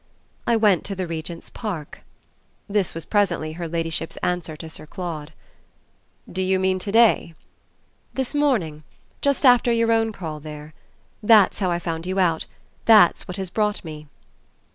"I went to the Regent's Park" this was presently her ladyship's answer to Sir Claude. "Do you mean to day?" "This morning, just after your own call there. That's how I found you out; that's what has brought me."